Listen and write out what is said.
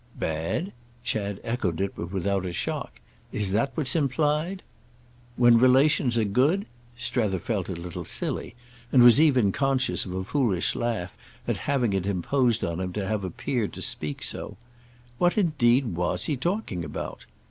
"'Bad'?"—Chad echoed it, but without a shock. "Is that what's implied—?" "When relations are good?" Strether felt a little silly, and was even conscious of a foolish laugh, at having it imposed on him to have appeared to speak so. What indeed was he talking about?